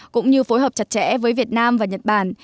cũng như phối hợp chặt chẽ với việt nam và nhật bản